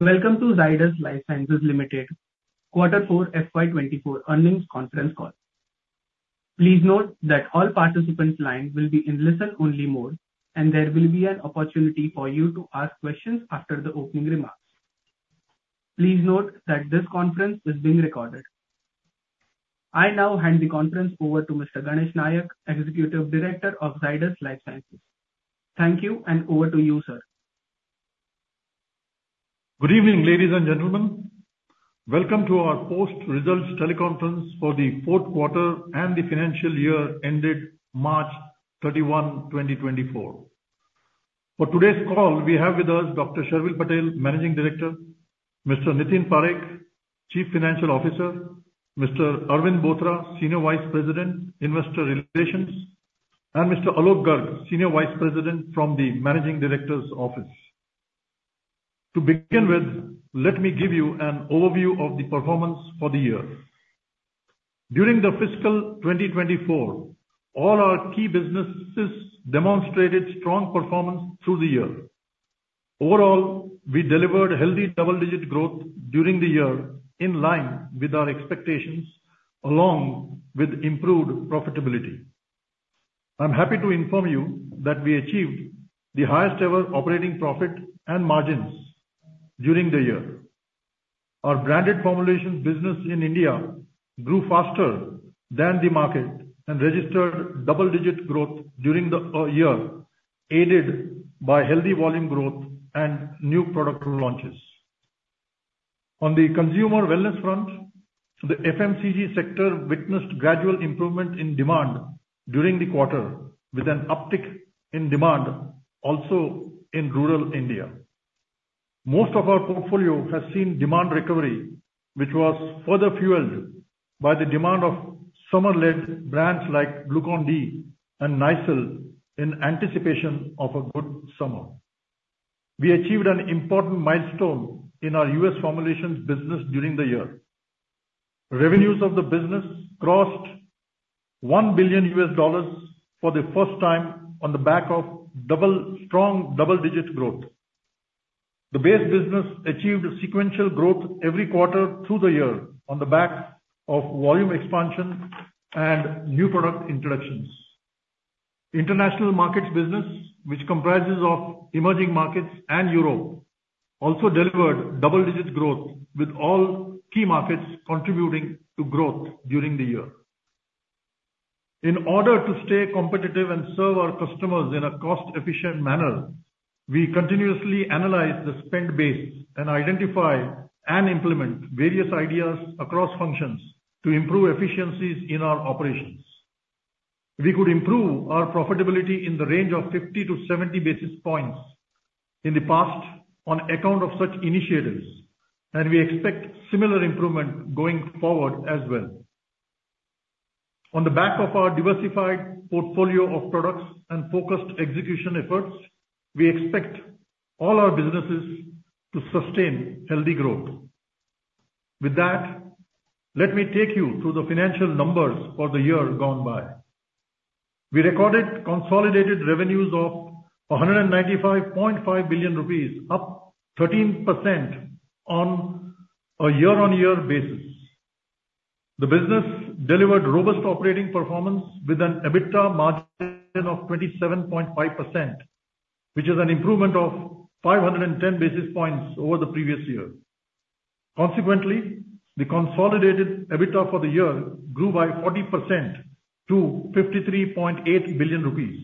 Welcome to Zydus Lifesciences Limited Quarter 4 FY 2024 Earnings Conference Call. Please note that all participants' lines will be in listen-only mode, and there will be an opportunity for you to ask questions after the opening remarks. Please note that this conference is being recorded. I now hand the conference over to Mr. Ganesh Nayak, Executive Director of Zydus Lifesciences. Thank you, and over to you, sir Good evening, ladies and gentlemen. Welcome to our post-results teleconference for the fourth quarter and the financial year ended March 31, 2024. For today's call, we have with us Dr. Sharvil Patel, Managing Director; Mr. Nitin Parekh, Chief Financial Officer; Mr. Arvind Bothra, Senior Vice President, Investor Relations; and Mr. Alok Garg, Senior Vice President from the Managing Director's Office. To begin with, let me give you an overview of the performance for the year. During the fiscal 2024, all our key businesses demonstrated strong performance through the year. Overall, we delivered healthy double-digit growth during the year, in line with our expectations, along with improved profitability. I'm happy to inform you that we achieved the highest ever operating profit and margins during the year. Our branded formulations business in India grew faster than the market and registered double-digit growth during the year, aided by healthy volume growth and new product launches. On the consumer wellness front, the FMCG sector witnessed gradual improvement in demand during the quarter, with an uptick in demand also in rural India. Most of our portfolio has seen demand recovery, which was further fueled by the demand of summer-led brands like Glucon-D and Nycil in anticipation of a good summer. We achieved an important milestone in our U.S. formulations business during the year. Revenues of the business crossed $1 billion for the first time on the back of double-strong double-digit growth. The base business achieved a sequential growth every quarter through the year on the back of volume expansion and new product introductions. International markets business, which comprises of emerging markets and Europe, also delivered double-digit growth, with all key markets contributing to growth during the year. In order to stay competitive and serve our customers in a cost-efficient manner, we continuously analyze the spend base and identify and implement various ideas across functions to improve efficiencies in our operations. We could improve our profitability in the range of 50-70 basis points in the past on account of such initiatives, and we expect similar improvement going forward as well. On the back of our diversified portfolio of products and focused execution efforts, we expect all our businesses to sustain healthy growth. With that, let me take you through the financial numbers for the year gone by. We recorded consolidated revenues of 195.5 billion rupees, up 13% on a year-on-year basis. The business delivered robust operating performance with an EBITDA margin of 27.5%, which is an improvement of 510 basis points over the previous year. Consequently, the consolidated EBITDA for the year grew by 40% to 53.8 billion rupees.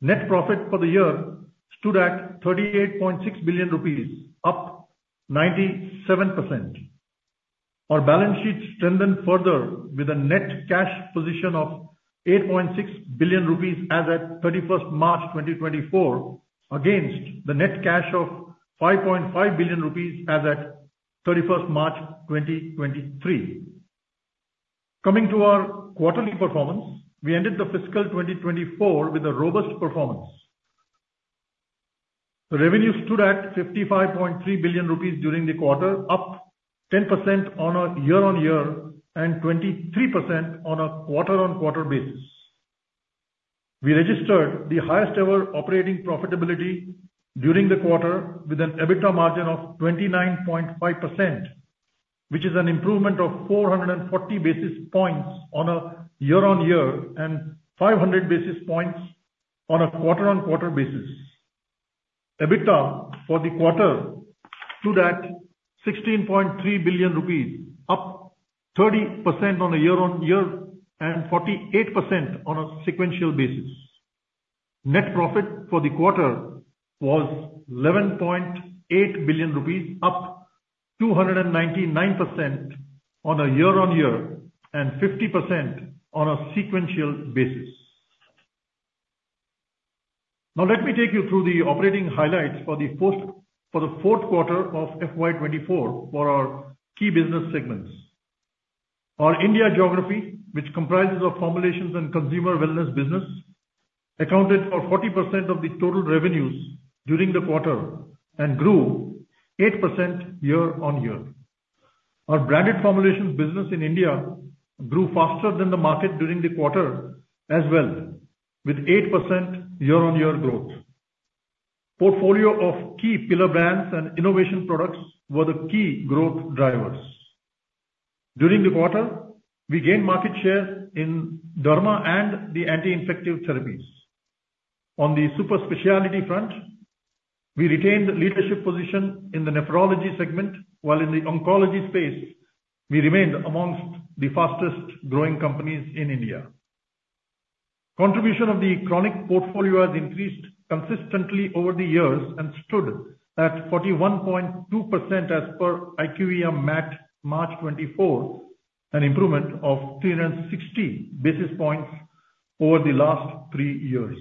Net profit for the year stood at 38.6 billion rupees, up 97%. Our balance sheet strengthened further with a net cash position of 8.6 billion rupees as at 31st March, 2024, against the net cash of 5.5 billion rupees as at 31st March, 2023. Coming to our quarterly performance, we ended the fiscal 2024 with a robust performance. Revenue stood at 55.3 billion rupees during the quarter, up 10% on a year-on-year and 23% on a quarter-on-quarter basis. We registered the highest ever operating profitability during the quarter, with an EBITDA margin of 29.5%, which is an improvement of 440 basis points on a year-on-year and 500 basis points on a quarter-on-quarter basis. EBITDA for the quarter stood at 16.3 billion rupees, up 30% on a year-on-year and 48% on a sequential basis. Net profit for the quarter was 11.8 billion rupees, up 299% on a year-on-year and 50% on a sequential basis. Now, let me take you through the operating highlights for the fourth quarter of FY 2024 for our key business segments. Our India geography, which comprises of formulations and consumer wellness business, accounted for 40% of the total revenues during the quarter and grew 8% year-on-year. Our branded formulations business in India grew faster than the market during the quarter as well, with 8% year-on-year growth. Portfolio of key pillar brands and innovation products were the key growth drivers. During the quarter, we gained market share in derma and the anti-infective therapies. On the super specialty front, we retained leadership position in the nephrology segment, while in the oncology space, we remained amongst the fastest growing companies in India. Contribution of the chronic portfolio has increased consistently over the years and stood at 41.2% as per IQVIA MAT, March 24, 2024, an improvement of 360 basis points over the last three years.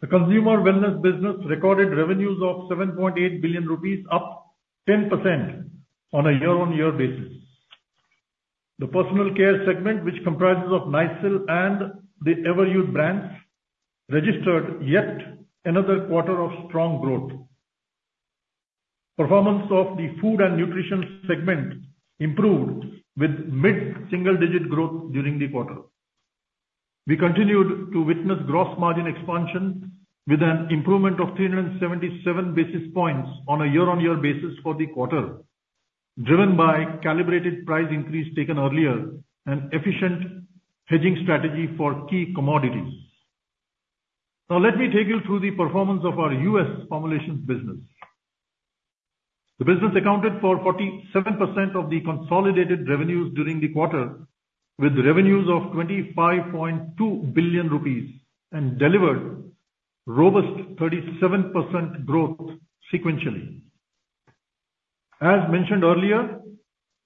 The consumer wellness business recorded revenues of 7.8 billion rupees, up 10% on a year-on-year basis. The personal care segment, which comprises of Nycil and the Everyuth brands, registered yet another quarter of strong growth. Performance of the food and nutrition segment improved with mid-single-digit growth during the quarter. We continued to witness gross margin expansion with an improvement of 377 basis points on a year-on-year basis for the quarter, driven by calibrated price increase taken earlier and efficient hedging strategy for key commodities. Now, let me take you through the performance of our U.S. formulations business. The business accounted for 47% of the consolidated revenues during the quarter, with revenues of 25.2 billion rupees and delivered robust 37% growth sequentially. As mentioned earlier,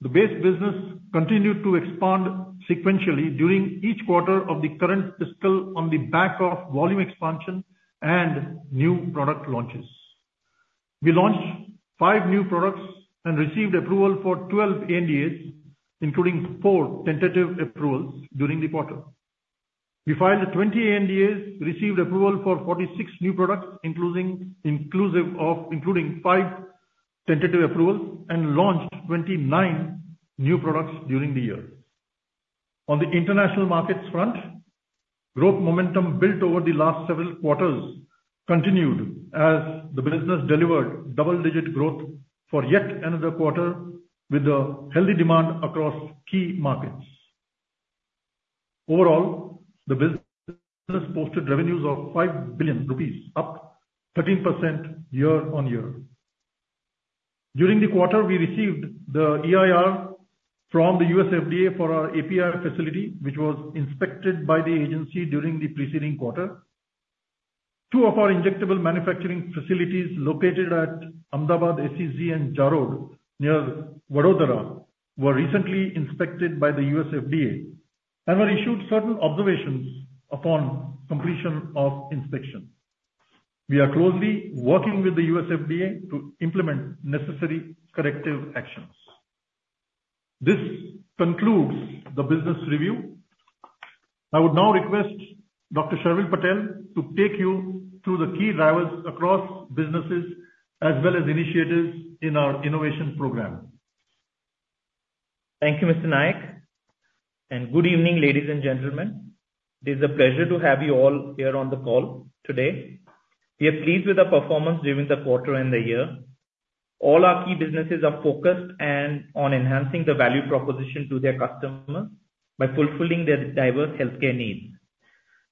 the base business continued to expand sequentially during each quarter of the current fiscal on the back of volume expansion and new product launches. We launched 5 new products and received approval for 12 ANDAs, including 4 tentative approvals during the quarter. We filed 20 ANDAs, received approval for 46 new products, including, inclusive of, including 5 tentative approvals, and launched 29 new products during the year. On the international markets front, growth momentum built over the last several quarters continued as the business delivered double-digit growth for yet another quarter with a healthy demand across key markets. Overall, the business posted revenues of 5 billion rupees, up 13% year-on-year. During the quarter, we received the EIR from the U.S. FDA for our API facility, which was inspected by the agency during the preceding quarter. Two of our injectable manufacturing facilities, located at Ahmedabad SEZ and Jarod, near Vadodara, were recently inspected by the U.S. FDA and were issued certain observations upon completion of inspection. We are closely working with the U.S. FDA to implement necessary corrective actions. This concludes the business review. I would now request Dr. Sharvil Patel to take you through the key drivers across businesses as well as initiatives in our innovation program. Thank you, Mr. Nayak, and good evening, ladies and gentlemen. It is a pleasure to have you all here on the call today. We are pleased with the performance during the quarter and the year. All our key businesses are focused and on enhancing the value proposition to their customers by fulfilling their diverse healthcare needs.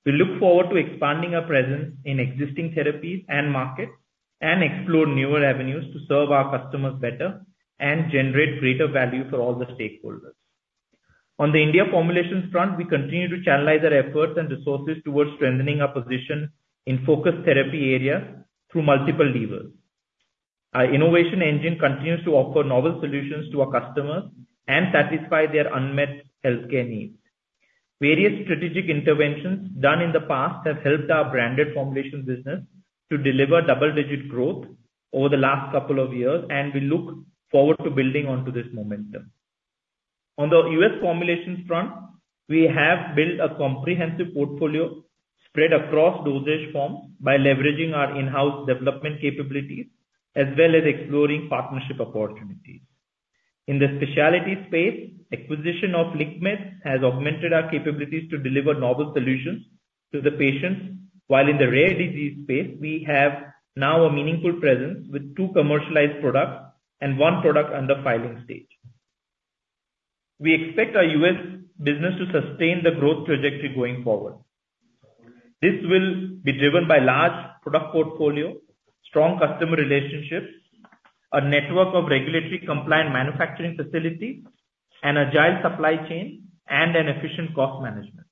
We look forward to expanding our presence in existing therapies and markets, and explore newer avenues to serve our customers better and generate greater value for all the stakeholders. On the India formulations front, we continue to channelize our efforts and resources towards strengthening our position in focused therapy area through multiple levers. Our innovation engine continues to offer novel solutions to our customers and satisfy their unmet healthcare needs. Various strategic interventions done in the past have helped our branded formulations business to deliver double-digit growth over the last couple of years, and we look forward to building on to this momentum. On the US formulations front, we have built a comprehensive portfolio spread across dosage forms by leveraging our in-house development capabilities as well as exploring partnership opportunities. In the specialty space, acquisition of LiqMeds has augmented our capabilities to deliver novel solutions to the patients, while in the rare disease space, we have now a meaningful presence with two commercialized products and one product under filing stage. We expect our US business to sustain the growth trajectory going forward. This will be driven by large product portfolio, strong customer relationships, a network of regulatory compliant manufacturing facilities, an agile supply chain, and an efficient cost management.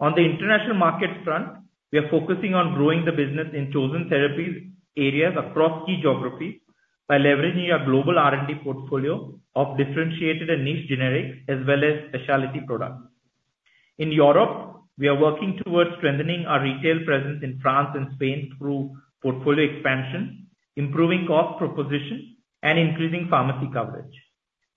On the international markets front, we are focusing on growing the business in chosen therapies areas across key geographies by leveraging our global R&D portfolio of differentiated and niche generics as well as specialty products. In Europe, we are working towards strengthening our retail presence in France and Spain through portfolio expansion, improving cost proposition, and increasing pharmacy coverage.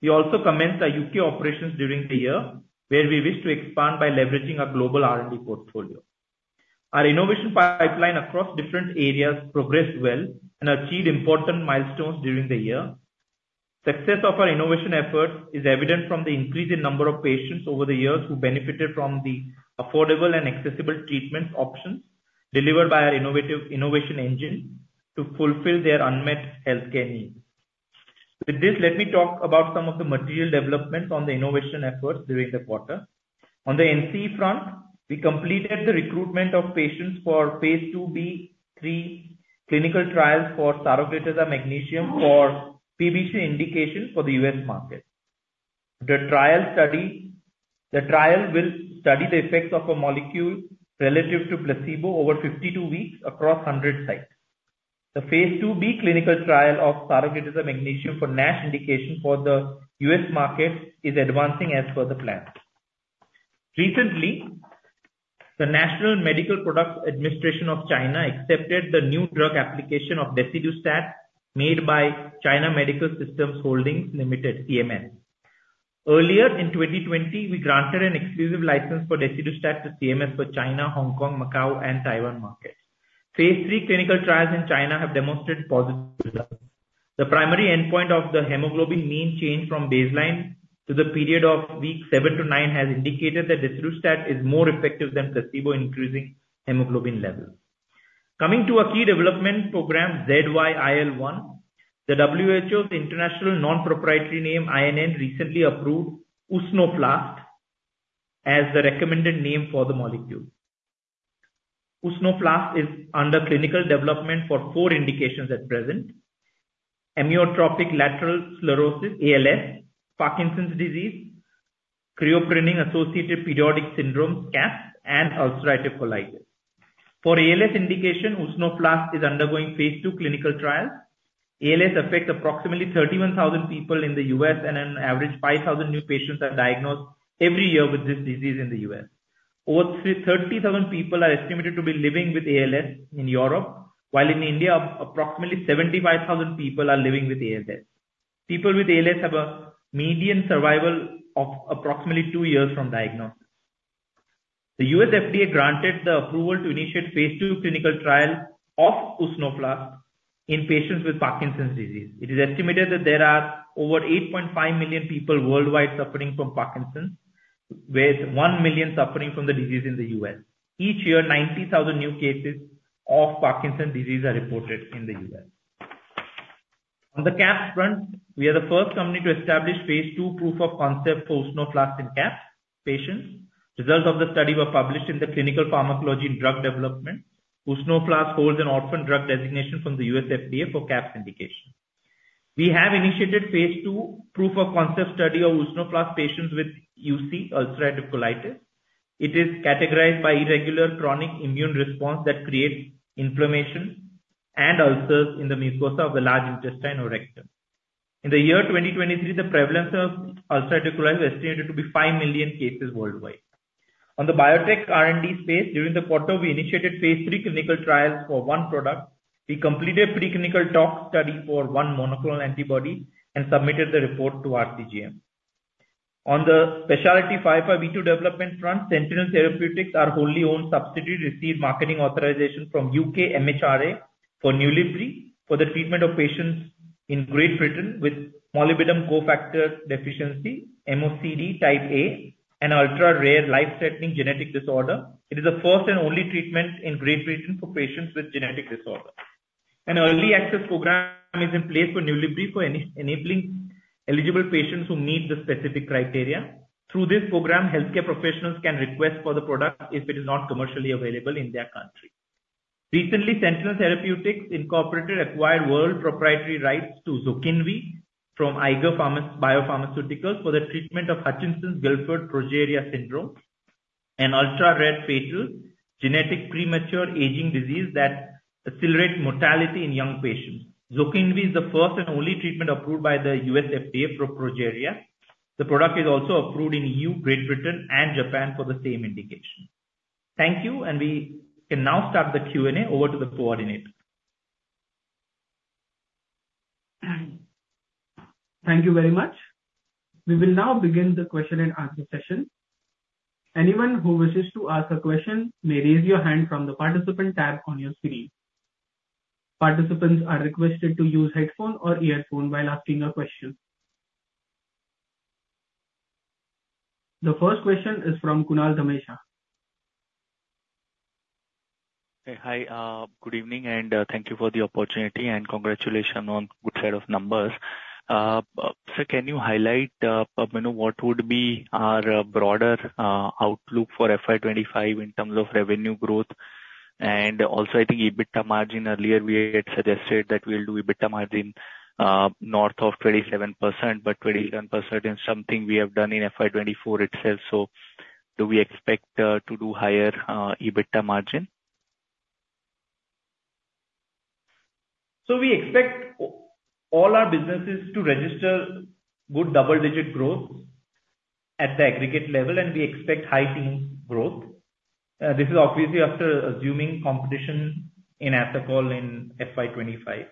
We also commenced our UK operations during the year, where we wish to expand by leveraging our global R&D portfolio. Our innovation pipeline across different areas progressed well and achieved important milestones during the year. Success of our innovation effort is evident from the increase in number of patients over the years, who benefited from the affordable and accessible treatment options delivered by our innovative innovation engine to fulfill their unmet healthcare needs. With this, let me talk about some of the material developments on the innovation efforts during the quarter. On the NCE front, we completed the recruitment of patients for phase 2b/3 clinical trials for Saraglitazar magnesium for PBC indication for the U.S. market. The trial will study the effects of a molecule relative to placebo over 52 weeks across 100 sites. The phase 2b clinical trial of Saraglitazar magnesium for NASH indication for the U.S. market is advancing as per the plan. Recently, the National Medical Product Administration of China accepted the new drug application of Desidustat made by China Medical Systems Holdings Limited, CMS. Earlier in 2020, we granted an exclusive license for Desidustat to CMS for China, Hong Kong, Macau, and Taiwan markets. Phase III clinical trials in China have demonstrated positive results. The primary endpoint of the hemoglobin mean change from baseline to the period of week 7 - 9, has indicated that Desidustat is more effective than placebo, increasing hemoglobin levels. Coming to a key development program, ZYIL-1, the WHO's international non-proprietary name, INN, recently approved Usnoflast as the recommended name for the molecule. Usnoflast is under clinical development for four indications at present: amyotrophic lateral sclerosis, ALS, Parkinson's disease, cryopyrin-associated periodic syndrome, CAPS, and ulcerative colitis. For ALS indication, Usnoflast is undergoing phase II clinical trials. ALS affects approximately 31,000 people in the U.S., and an average 5,000 new patients are diagnosed every year with this disease in the U.S. Over 30,000 people are estimated to be living with ALS in Europe, while in India, approximately 75,000 people are living with ALS. People with ALS have a median survival of approximately two years from diagnosis. The US FDA granted the approval to initiate phase II clinical trial of Usnoflast in patients with Parkinson's disease. It is estimated that there are over 8.5 million people worldwide suffering from Parkinson's, with 1 million suffering from the disease in the US. Each year, 90,000 new cases of Parkinson's disease are reported in the US. On the CAPS front, we are the first company to establish phase II proof of concept for Usnoflast in CAPS patients. Results of the study were published in the Clinical Pharmacology and Drug Development. Usnoflast holds an orphan drug designation from the US FDA for CAPS indication. We have initiated phase II proof of concept study of Usnoflast patients with UC, ulcerative colitis. It is categorized by irregular chronic immune response that creates inflammation and ulcers in the mucosa of the large intestine or rectum. In the year 2023, the prevalence of ulcerative colitis is estimated to be 5 million cases worldwide. On the biotech R&D space, during the quarter, we initiated phase III clinical trials for one product. We completed preclinical tox study for one monoclonal antibody and submitted the report to RCGM. On the Specialty development front, Sentynl Therapeutics, our wholly owned subsidiary, received marketing authorization from UK MHRA for Nulibry, for the treatment of patients in Great Britain with molybdenum cofactor deficiency, MoCD Type A, an ultra-rare life-threatening genetic disorder. It is the first and only treatment in Great Britain for patients with genetic disorder. An early access program is in place for Nulibry for enabling eligible patients who meet the specific criteria. Through this program, healthcare professionals can request for the product if it is not commercially available in their country. Recently, Sentynl Therapeutics Inc. acquired world proprietary rights to Zokinvy from Eiger BioPharmaceuticals, for the treatment of Hutchinson-Gilford progeria syndrome, an ultra-rare fatal genetic premature aging disease that accelerates mortality in young patients. Zokinvy is the first and only treatment approved by the U.S. FDA for progeria. The product is also approved in EU, Great Britain, and Japan for the same indication. Thank you, and we can now start the Q&A. Over to the coordinator. Thank you very much. We will now begin the question and answer session. Anyone who wishes to ask a question may raise your hand from the participant tab on your screen. Participants are requested to use headphone or earphone while asking a question. The first question is from Kunal Dhamesha. Hi, good evening, and thank you for the opportunity, and congratulations on good set of numbers. So can you highlight, you know, what would be our broader outlook for FY 2025 in terms of revenue growth? And also, I think EBITDA margin, earlier we had suggested that we'll do EBITDA margin north of 27%, but 27% is something we have done in FY 2024 itself. So do we expect to do higher EBITDA margin? So we expect all our businesses to register good double-digit growth at the aggregate level, and we expect high teen growth. This is obviously after assuming competition in Asacol in FY 2025.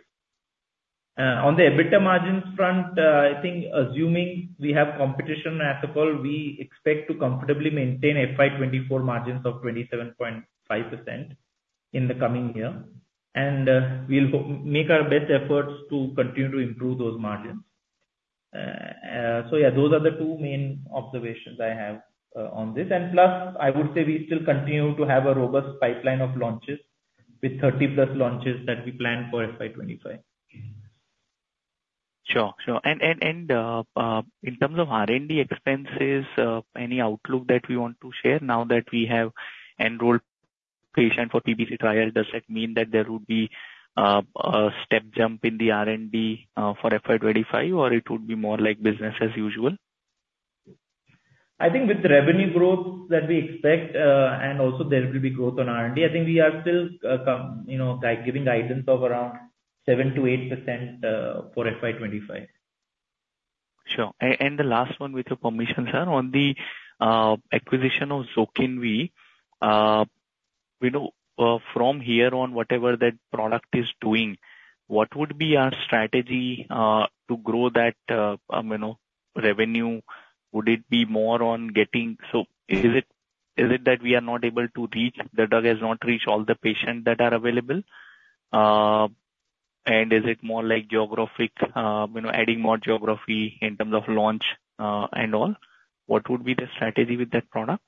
On the EBITDA margins front, I think assuming we have competition, Asacol, we expect to comfortably maintain FY 2024 margins of 27.5% in the coming year. And, we'll make our best efforts to continue to improve those margins. So yeah, those are the two main observations I have on this. And plus, I would say we still continue to have a robust pipeline of launches, with 30+ launches that we plan for FY 2025. Sure, sure. In terms of R&D expenses, any outlook that we want to share now that we have enrolled patients for PBC trial, does that mean that there would be a step jump in the R&D for FY 2025, or it would be more like business as usual? I think with the revenue growth that we expect, and also there will be growth on R&D, I think we are still, you know, like, giving guidance of around 7%-8% for FY 2025. Sure. And, and the last one, with your permission, sir, on the acquisition of Zokinvy, we know, from here on, whatever that product is doing, what would be our strategy to grow that, you know, revenue? Would it be more on getting. So is it, is it that we are not able to reach, the drug has not reached all the patients that are available? And is it more like geographic, you know, adding more geography in terms of launch, and all? What would be the strategy with that product?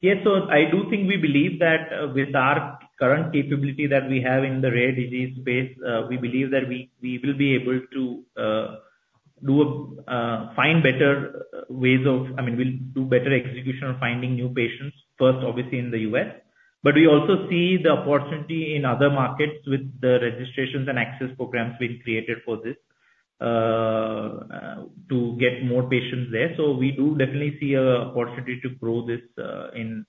Yes, so I do think we believe that, with our current capability that we have in the rare disease space, we believe that we will be able to find better ways of. I mean, we'll do better execution on finding new patients first, obviously, in the US. But we also see the opportunity in other markets with the registrations and access programs we've created for this, to get more patients there. So we do definitely see an opportunity to grow this, in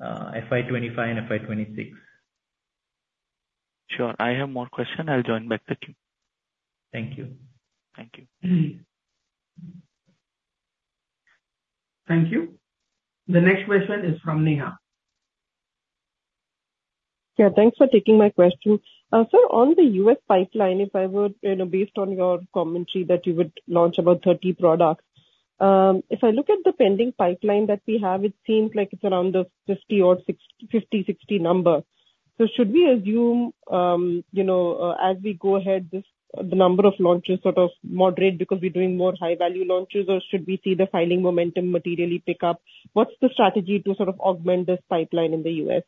FY 2025 and FY 2026. Sure. I have more question. I'll join back the queue. Thank you. Thank you. Thank you. The next question is from Neha. Yeah, thanks for taking my question. Sir, on the U.S. pipeline, if I would, you know, based on your commentary that you would launch about 30 products, if I look at the pending pipeline that we have, it seems like it's around the 50 or 60, 60 number. So should we assume, you know, as we go ahead, this, the number of launches sort of moderate because we're doing more high-value launches, or should we see the filing momentum materially pick up? What's the strategy to sort of augment this pipeline in the U.S.?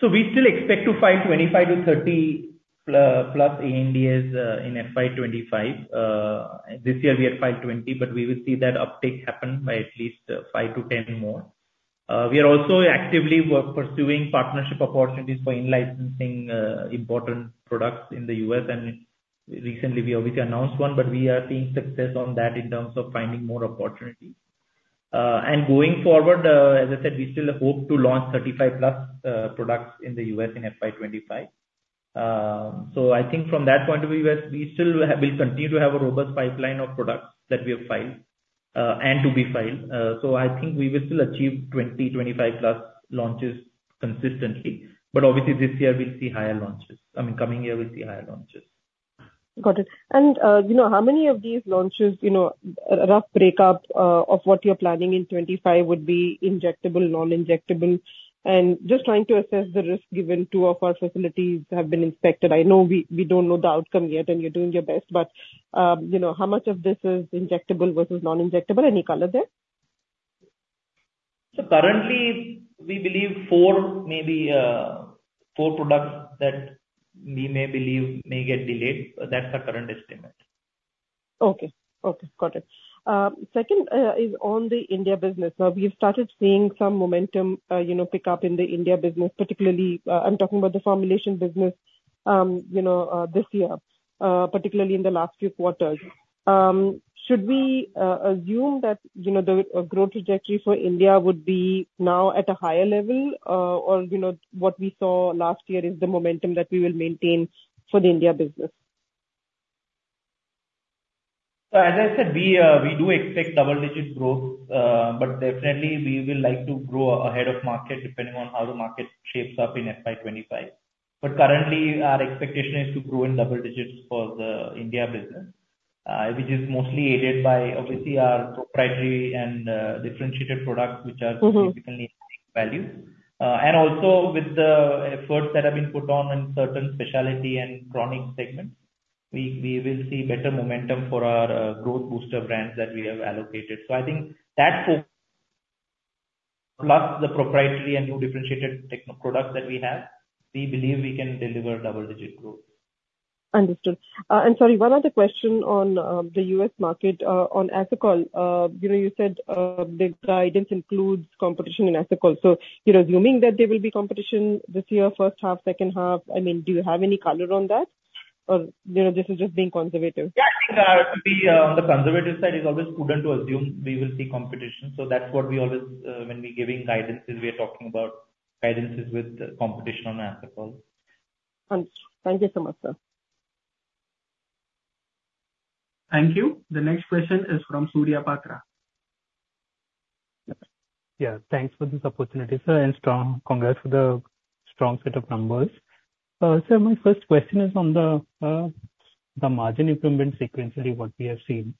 So we still expect to file 25-30+ ANDAs in FY 2025. This year we had filed 20, but we will see that uptick happen by at least 5-10 more. We are also actively pursuing partnership opportunities for in-licensing important products in the US. And recently we obviously announced one, but we are seeing success on that in terms of finding more opportunities. And going forward, as I said, we still hope to launch 35+ products in the US in FY 2025. So I think from that point of view, yes, we still have, we'll continue to have a robust pipeline of products that we have filed and to be filed. So I think we will still achieve 20, 25+ launches consistently. But obviously this year we'll see higher launches. I mean, coming year, we'll see higher launches. Got it. And, you know, how many of these launches, you know, a rough breakup of what you're planning in 25 would be injectable, non-injectable? And just trying to assess the risk, given two of our facilities have been inspected. I know we don't know the outcome yet, and you're doing your best, but, you know, how much of this is injectable versus non-injectable? Any color there? Currently, we believe four, maybe, four products that we may believe may get delayed. That's our current estimate. Okay. Okay, got it. Second is on the India business. Now, we've started seeing some momentum, you know, pick up in the India business, particularly, I'm talking about the formulation business, you know, this year, particularly in the last few quarters. Should we assume that, you know, the growth trajectory for India would be now at a higher level, or, you know, what we saw last year is the momentum that we will maintain for the India business? So as I said, we do expect double-digit growth, but definitely we will like to grow ahead of market, depending on how the market shapes up in FY 2025. But currently, our expectation is to grow in double digits for the India business, which is mostly aided by obviously our proprietary and differentiated products, which are. Mm-hmm. Typically adding value. And also with the efforts that have been put on in certain specialty and chronic segments, we, we will see better momentum for our, growth booster brands that we have allocated. So I think that focus, plus the proprietary and new differentiated techno products that we have, we believe we can deliver double-digit growth. Understood. And sorry, one other question on the U.S. market on Asacol. You know, you said the guidance includes competition in Asacol, so you're assuming that there will be competition this year, first half, second half? I mean, do you have any color on that, or, you know, this is just being conservative? Yeah, I think to be on the conservative side, it's always prudent to assume we will see competition. So that's what we always, when we're giving guidances, we are talking about guidances with competition on Asacol. Understood. Thank you so much, sir. Thank you. The next question is from Surya Patra. Yeah, thanks for this opportunity, sir, and strong, congrats for the strong set of numbers. So my first question is on the margin improvement sequentially, what we have seen.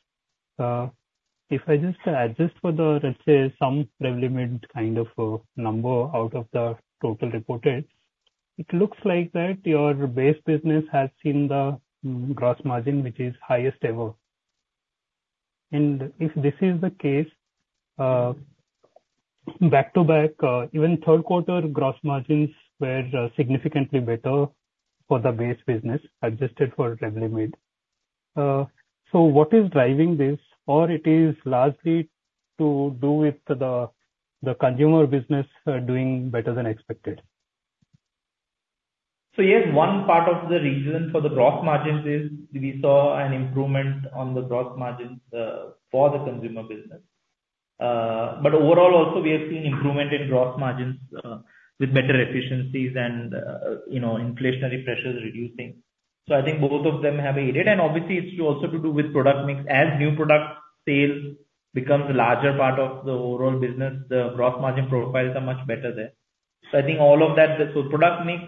If I just adjust for the, let's say, some Revlimid kind of number out of the total reported, it looks like that your base business has seen the gross margin, which is highest ever. And if this is the case, back-to-back, even third quarter gross margins were significantly better for the base business, adjusted for Revlimid. So what is driving this? Or it is largely to do with the consumer business doing better than expected? So yes, one part of the reason for the gross margins is we saw an improvement on the gross margins for the consumer business. But overall, also, we have seen improvement in gross margins with better efficiencies and, you know, inflationary pressures reducing. So I think both of them have aided, and obviously it's also to do with product mix. As new product sales becomes a larger part of the overall business, the gross margin profiles are much better there. So I think all of that, the so product mix,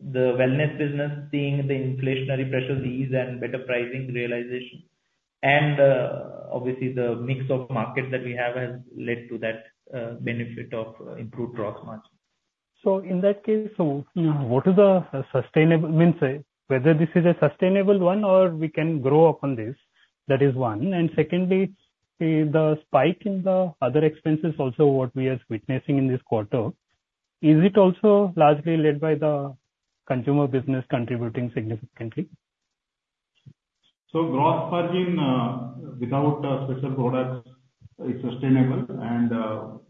the wellness business, seeing the inflationary pressures ease and better pricing realization, and, obviously, the mix of market that we have has led to that benefit of improved gross margin. So in that case, so what is the sustainable, means, whether this is a sustainable one or we can grow upon this? That is one. And secondly, the spike in the other expenses also what we are witnessing in this quarter, is it also largely led by the consumer business contributing significantly? Gross margin, without special products, is sustainable and,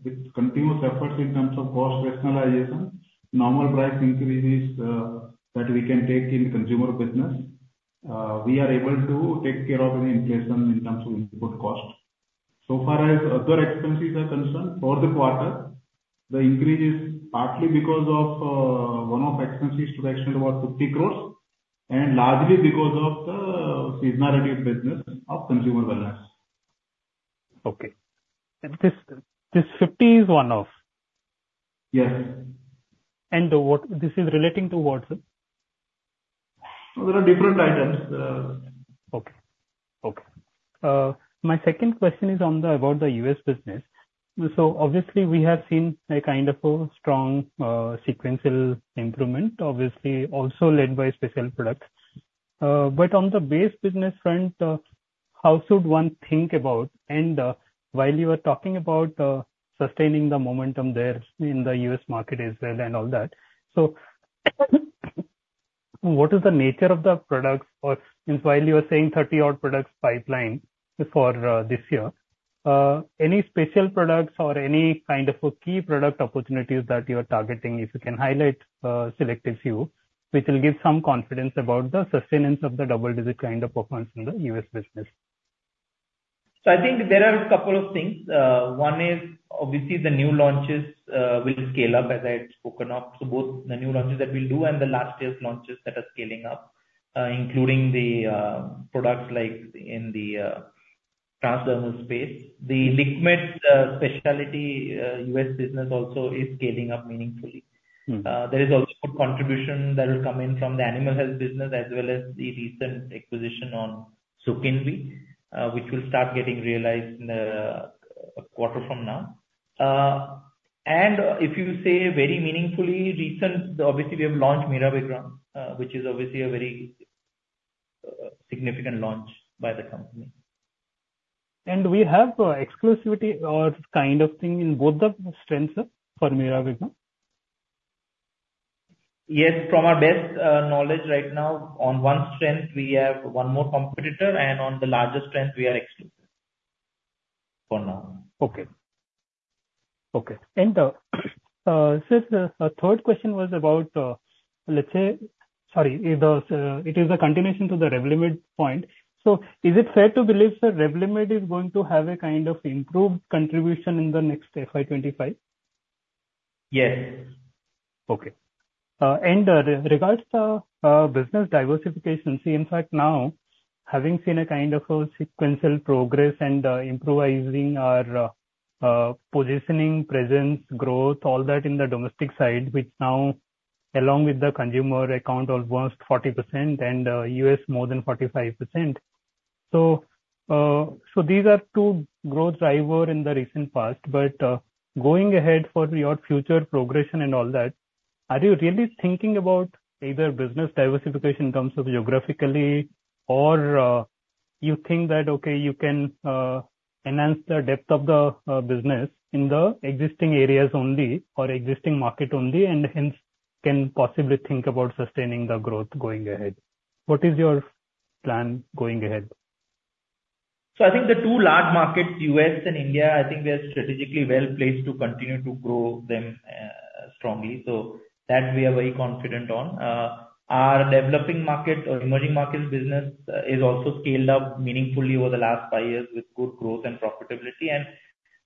with continuous efforts in terms of cost rationalization, normal price increases, that we can take in consumer business, we are able to take care of any inflation in terms of input cost. So far as other expenses are concerned, for the quarter, the increase is partly because of, one-off expenses to the extent of about 50 crore, and largely because of the seasonality business of consumer wellness. Okay. This, this 50 is one-off? Yes. What, this is relating to what, sir? Those are different items. Okay, okay. My second question is on the, about the US business. So obviously, we have seen a kind of a strong, sequential improvement, obviously, also led by special products. But on the base business front, how should one think about. And, while you were talking about, sustaining the momentum there in the US market as well and all that, so what is the nature of the products or, and while you were saying 30-odd products pipeline for, this year, any special products or any kind of a key product opportunities that you are targeting, if you can highlight, selective few, which will give some confidence about the sustenance of the double-digit kind of performance in the US business. I think there are a couple of things. One is obviously the new launches will scale up, as I had spoken of. Both the new launches that we'll do and the last year's launches that are scaling up, including the products like in the transdermal space. The liquid specialty U.S. business also is scaling up meaningfully. Mm. There is also good contribution that will come in from the animal health business as well as the recent acquisition on Zokinvy, which will start getting realized in a quarter from now. And if you say very meaningfully recent, obviously, we have launched Mirabegron, which is obviously a very significant launch by the company. We have exclusivity or kind of thing in both the strengths, sir, for Mirabegron? Yes, from our best knowledge right now, on one strength, we have one more competitor, and on the larger strength, we are exclusive for now. Okay. Okay, and, sir, the third question was about, let's say. Sorry, it is a continuation to the Revlimid point. So is it fair to believe that Revlimid is going to have a kind of improved contribution in the next FY 2025? Yes. Okay. And regards to business diversification, see, in fact, now, having seen a kind of a sequential progress and improvising our positioning, presence, growth, all that in the domestic side, which now, along with the consumer account, almost 40% and US more than 45%. So these are two growth driver in the recent past, but going ahead for your future progression and all that, are you really thinking about either business diversification in terms of geographically, or you think that, okay, you can enhance the depth of the business in the existing areas only or existing market only, and hence can possibly think about sustaining the growth going ahead? What is your plan going ahead? So I think the two large markets, US and India, I think we are strategically well placed to continue to grow them strongly. So that we are very confident on. Our developing market or emerging markets business is also scaled up meaningfully over the last five years with good growth and profitability.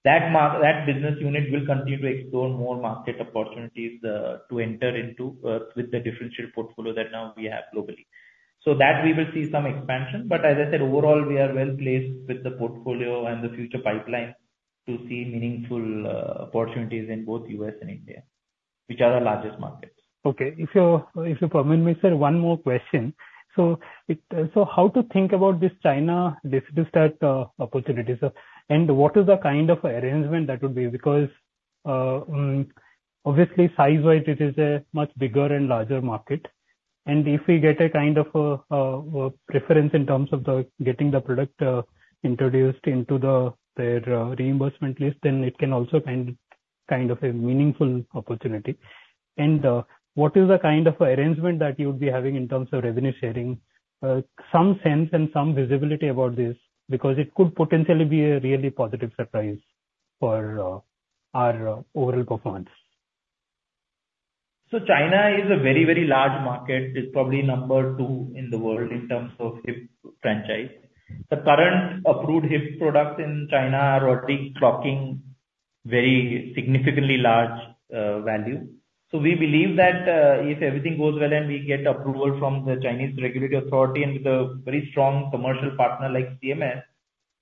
That business unit will continue to explore more market opportunities to enter into with the differentiated portfolio that now we have globally. So that we will see some expansion, but as I said, overall, we are well placed with the portfolio and the future pipeline to see meaningful opportunities in both US and India, which are our largest markets. Okay. If you permit me, sir, one more question. So how to think about this China opportunities? And what is the kind of arrangement that would be? Because, obviously, size-wise, it is a much bigger and larger market, and if we get a kind of preference in terms of the getting the product introduced into their reimbursement list, then it can also kind of a meaningful opportunity. And what is the kind of arrangement that you would be having in terms of revenue sharing? Some sense and some visibility about this, because it could potentially be a really positive surprise for our overall performance. So China is a very, very large market. It's probably number two in the world in terms of HIF franchise. The current approved HIF products in China are already clocking very significantly large, value. So we believe that, if everything goes well and we get approval from the Chinese regulatory authority and with a very strong commercial partner like CMS,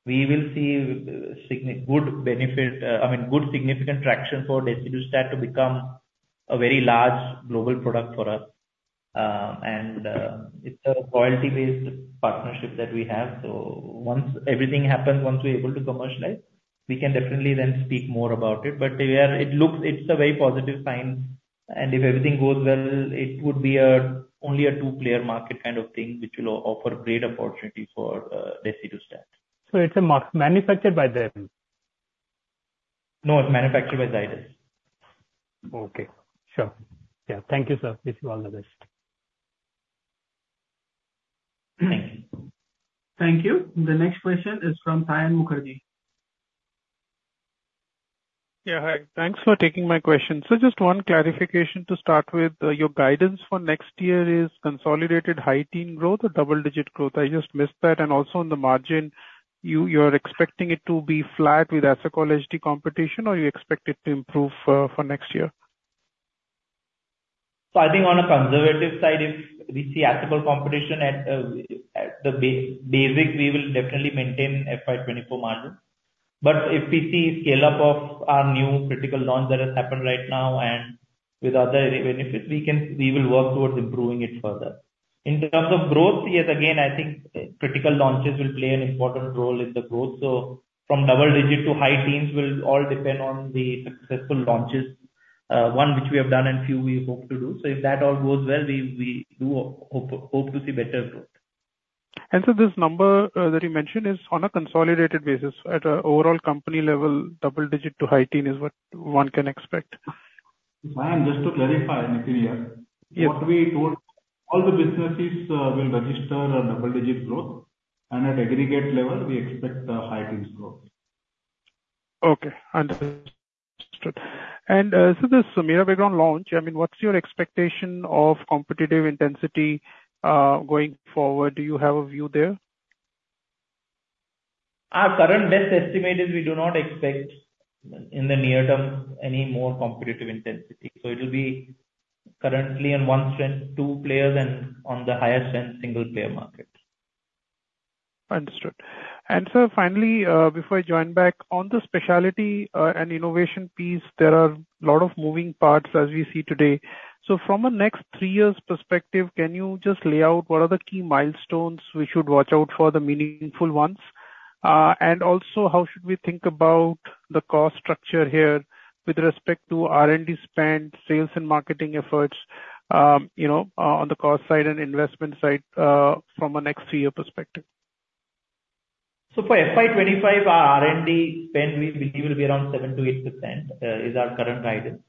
we will see, good benefit, I mean, good significant traction for Desidustat to become a very large global product for us. And, it's a royalty-based partnership that we have, so once everything happens, once we're able to commercialize, we can definitely then speak more about it. But we are. It looks, it's a very positive sign, and if everything goes well, it would be a only a two-player market kind of thing, which will offer great opportunity for, Desidustat. So it's manufactured by them? No, it's manufactured by Zydus. Okay. Sure. Yeah, thank you, sir. Wish you all the best. Thank you. The next question is from Sayan Mukherjee. Yeah, hi. Thanks for taking my question. So just one clarification to start with. Your guidance for next year is consolidated high teen growth or double-digit growth? I just missed that. And also on the margin, you, you're expecting it to be flat with Asacol HD competition, or you expect it to improve, for next year? I think on a conservative side, if we see Asacol competition at the basic, we will definitely maintain FY 2024 margin. But if we see scale-up of our new critical launch that has happened right now, and with other benefits, we will work towards improving it further. In terms of growth, yes, again, I think critical launches will play an important role in the growth. So from double digit to high teens will all depend on the successful launches, one which we have done and few we hope to do. So if that all goes well, we do hope to see better growth. And so this number that you mentioned is on a consolidated basis, at an overall company level, double digit to high teen is what one can expect? Sayan, just to clarify, Nitin. Yeah. What we told, all the businesses will register a double-digit growth, and at aggregate level, we expect a high teens growth. Okay, understood. So this Mirabegron launch, I mean, what's your expectation of competitive intensity going forward? Do you have a view there? Our current best estimate is we do not expect, in the near term, any more competitive intensity. So it will be currently in one strength, two players, and on the higher strength, single player market. Understood. And sir, finally, before I join back, on the specialty and innovation piece, there are a lot of moving parts as we see today. So from a next three years perspective, can you just lay out what are the key milestones we should watch out for, the meaningful ones? And also, how should we think about the cost structure here with respect to R&D spend, sales and marketing efforts, you know, on the cost side and investment side, from a next three-year perspective? So for FY 2025, our R&D spend, we believe will be around 7%-8%, is our current guidance.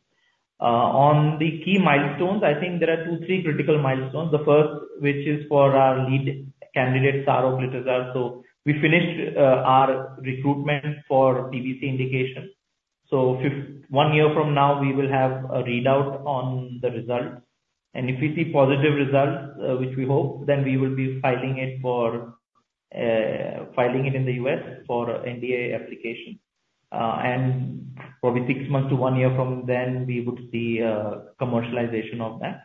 On the key milestones, I think there are 2, 3 critical milestones. The first, which is for our lead candidate, Saraglitazar. So we finished, our recruitment for PBC indication. So one year from now, we will have a readout on the results. And if we see positive results, which we hope, then we will be filing it for, filing it in the U.S. for NDA application. And probably six months to one year from then, we would see, commercialization of that.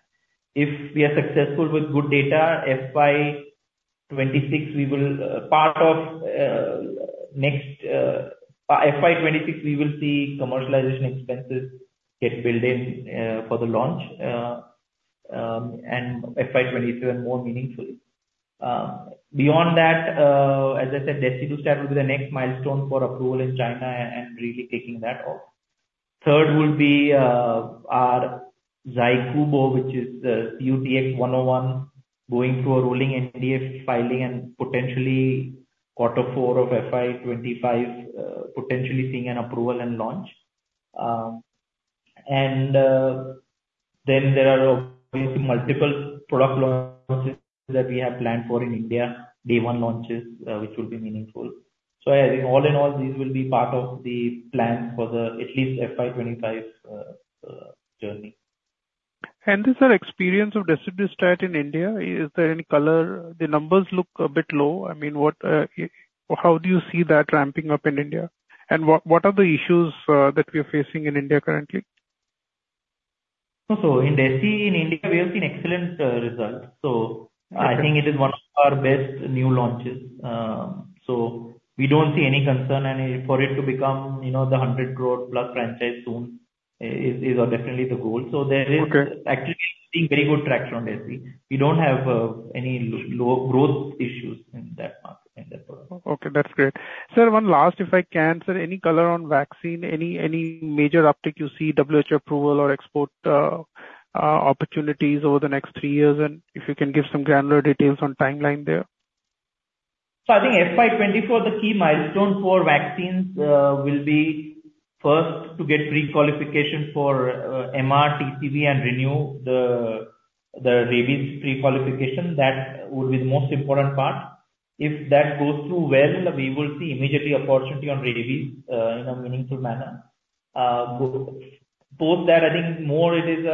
If we are successful with good data, FY 2026, we will, part of, next. FY 2026, we will see commercialization expenses get built in, for the launch. And FY 2027 more meaningfully. Beyond that, as I said, Desidustat will be the next milestone for approval in China and really taking that off. Third will be our Zokinvy, which is CUTX-101, going through a rolling NDA filing and potentially quarter four of FY 2025, potentially seeing an approval and launch. And then there are obviously multiple product launches that we have planned for in India, day one launches, which will be meaningful. So I think all in all, these will be part of the plan for at least FY 2025 journey. Is there experience of in India? Is there any color? The numbers look a bit low. I mean, what, how do you see that ramping up in India, and what, what are the issues that we are facing in India currently? So in Desidustat, in India, we have seen excellent results. So I think it is one of our best new launches. So we don't see any concern, and for it to become, you know, the 100 crore plus franchise soon, is definitely the goal. Okay. There is actually seeing very good traction on Desidustat. We don't have any low growth issues in that market, in that product. Okay, that's great. Sir, one last, if I can. Sir, any color on vaccine, any major uptick you see WHO approval or export opportunities over the next three years? And if you can give some granular details on timeline there. So I think FY 2024, the key milestone for vaccines, will be first to get pre-qualification for MR, TCV and renew the rabies pre-qualification. That would be the most important part. If that goes through well, we will see immediately opportunity on rabies, in a meaningful manner. Post that, I think more it is,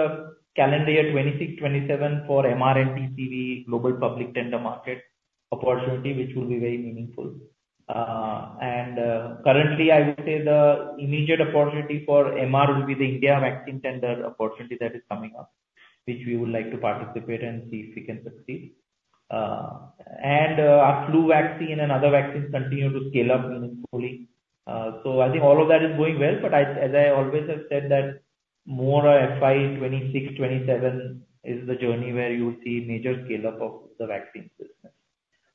calendar year 2026, 2027 for MR and TCV global public tender market opportunity, which will be very meaningful. And, currently, I would say the immediate opportunity for MR will be the India vaccine tender opportunity that is coming up, which we would like to participate and see if we can succeed. And, our flu vaccine and other vaccines continue to scale up slowly. So I think all of that is going well, but I, as I always have said, that more FY 2026, 2027 is the journey where you see major scale-up of the vaccine business.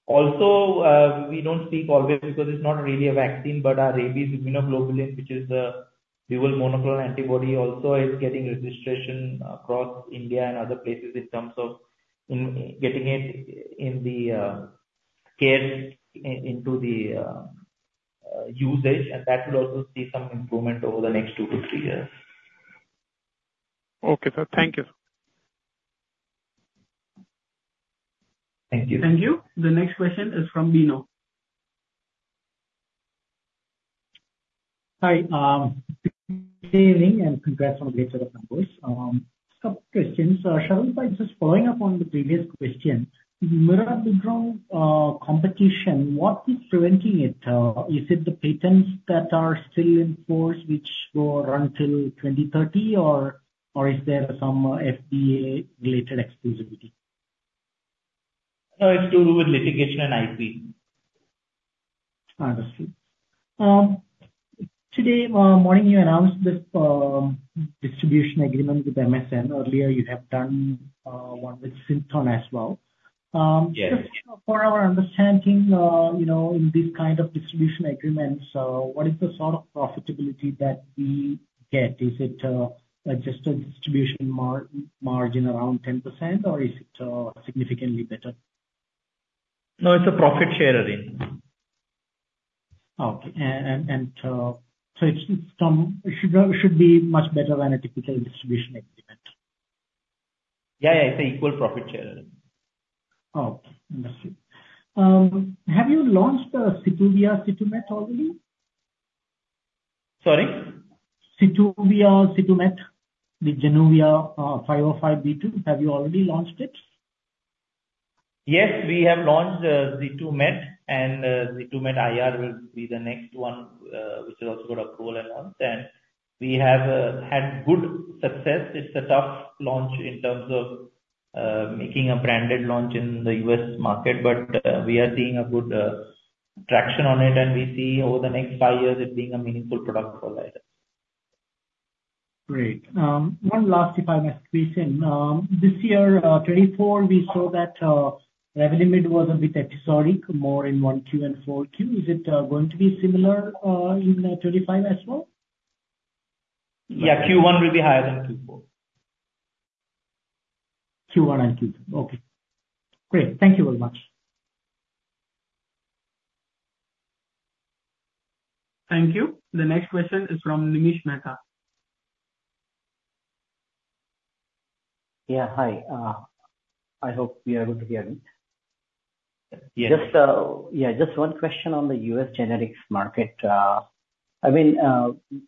Also, we don't see always because it's not really a vaccine, but our rabies immunoglobulin, which is the rabies monoclonal antibody, also is getting registration across India and other places in terms of getting it into the usage. And that will also see some improvement over the next 2-3 years. Okay, sir. Thank you. Thank you. Thank you. The next question is from Bino. Hi, and congrats on the great set of numbers. Some questions. Sharvil, just following up on the previous question, in Mirabegron competition, what is preventing it? Is it the patents that are still in force, which will run till 2030, or, or is there some FDA-related exclusivity? No, it's to do with litigation and IP. Understood. Today morning, you announced that distribution agreement with MSN. Earlier, you have done one with Synthon as well. Yes. Just for our understanding, you know, in this kind of distribution agreements, what is the sort of profitability that we get? Is it just a distribution margin around 10%, or is it significantly better? No, it's a profit share arrangement. Okay. So it should be much better than a typical distribution agreement. Yeah, yeah, it's an equal profit share. Oh, understood. Have you launched Zituvio Zituvimet already? Sorry. Zituvimet, the Januvia 505(b)(2). Have you already launched it? Yes, we have launched Zituvimet, and Zituvimet IR will be the next one, which has also got approval and all that. We have had good success. It's a tough launch in terms of making a branded launch in the U.S. market, but we are seeing a good traction on it, and we see over the next five years it being a meaningful product for us. Great. One last, if I must squeeze in. This year, 2024, we saw that revenue mix was a bit episodic, more in Q1 and Q4. Is it going to be similar in 2025 as well? Yeah, Q1 will be higher than Q4. Q1 and Q4. Okay, great. Thank you very much. Thank you. The next question is from Nimish Mehta. Yeah, hi. I hope you are able to hear me. Yes. Just, yeah, just one question on the U.S. generics market. I mean,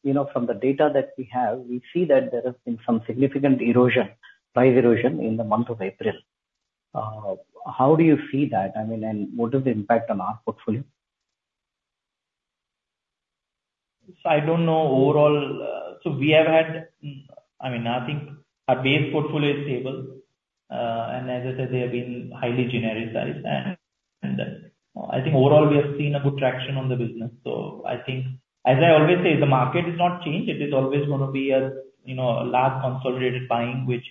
you know, from the data that we have, we see that there has been some significant erosion, price erosion in the month of April. How do you see that? I mean, and what is the impact on our portfolio? So I don't know overall. So we have had, I mean, I think our base portfolio is stable. And as I said, they have been highly genericized, and I think overall, we have seen a good traction on the business. So I think, as I always say, the market has not changed. It is always gonna be a, you know, a large consolidated buying, which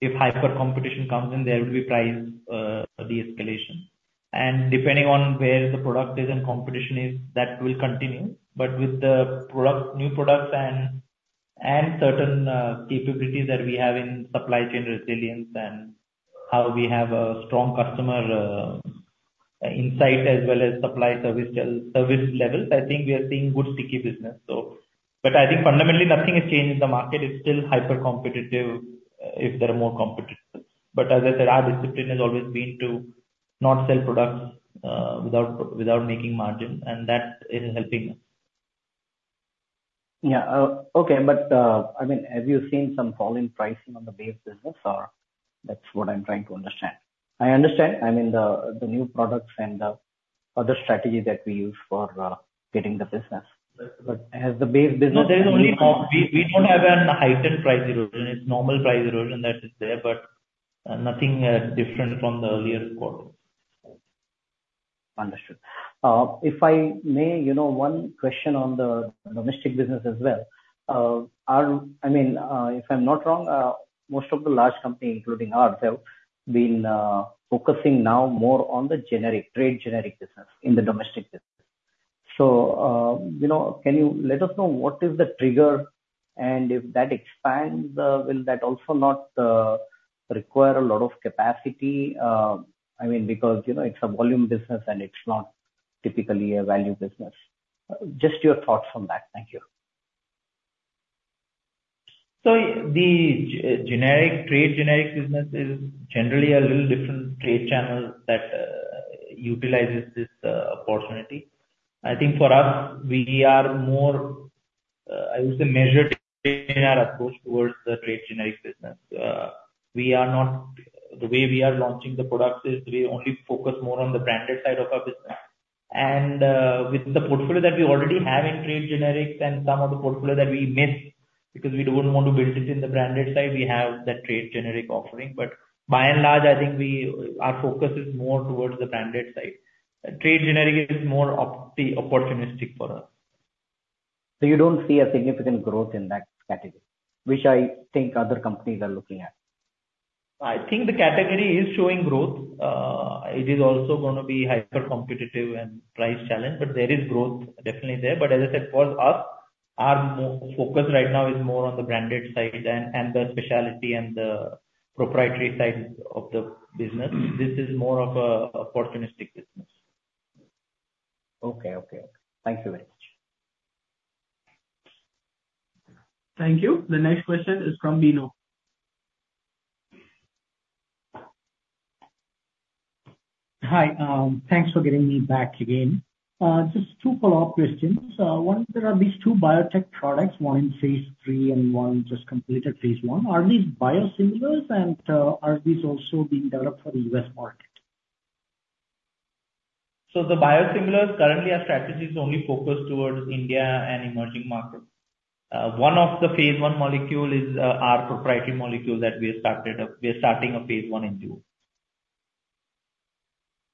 if hyper competition comes in, there will be price de-escalation. And depending on where the product is and competition is, that will continue. But with the product, new products and certain capabilities that we have in supply chain resilience and how we have a strong customer insight as well as supply service levels, I think we are seeing good sticky business, so. But I think fundamentally, nothing has changed. The market is still hypercompetitive, if there are more competitors. But as I said, our discipline has always been to not sell products, without making margin, and that is helping us. Yeah, okay, but, I mean, have you seen some fall in pricing on the base business, or? That's what I'm trying to understand. I understand, I mean, the new products and the other strategy that we use for getting the business. But has the base business. No, there is only cost. We don't have a heightened price erosion. It's normal price erosion that is there, but nothing different from the earlier quarter. Understood. If I may, you know, one question on the domestic business as well. I mean, if I'm not wrong, most of the large companies, including ours, have been focusing now more on the generic, trade generic business in the domestic business. So, you know, can you let us know what is the trigger, and if that expands, will that also not require a lot of capacity, I mean, because, you know, it's a volume business, and it's not typically a value business. Just your thoughts on that. Thank you. So the generic trade generic business is generally a little different trade channel that utilizes this opportunity. I think for us, we are more, I would say, measured in our approach towards the trade generic business. We are not. The way we are launching the products is we only focus more on the branded side of our business. And with the portfolio that we already have in trade generics and some of the portfolio that we miss, because we don't want to build it in the branded side, we have that trade generic offering. But by and large, I think we, our focus is more towards the branded side. Trade generic is more opportunistic for us. You don't see a significant growth in that category, which I think other companies are looking at? I think the category is showing growth. It is also gonna be hypercompetitive and price challenged, but there is growth definitely there. But as I said, for us, our focus right now is more on the branded side and the specialty and the proprietary side of the business. This is more of an opportunistic business. Okay, okay. Thank you very much. Thank you. The next question is from Bino. Hi, thanks for getting me back again. Just two follow-up questions. One, there are these two biotech products, one in phase III and one just completed phase I. Are these biosimilars, and are these also being developed for the U.S. market? So the biosimilars, currently our strategy is only focused towards India and emerging markets. One of the phase I molecule is our proprietary molecule that we have started up. We are starting a phase I in June.